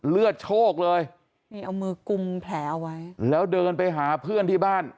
เลือดโชคเลยนี่เอามือกุมแผลเอาไว้แล้วเดินไปหาเพื่อนที่บ้าน